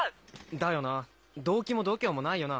だよな動機も度胸もないよな。